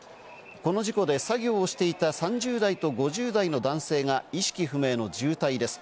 この事故で作業をしていた、３０代と５０代の男性が意識不明の重体です。